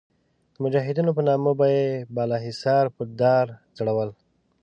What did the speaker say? د مجاهدینو په نامه به یې بالاحصار په دار ځړول.